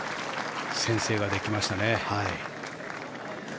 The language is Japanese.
先制ができましたね。